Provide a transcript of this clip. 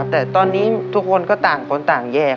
แต่ก็ตอนนี้คนต่างคนต่างแย่